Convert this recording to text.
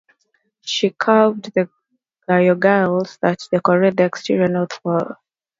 She carved the gargoyles that decorate the exterior north wall.